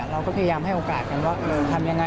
เราก็พยายามให้โอกาสกันว่าทำยังไง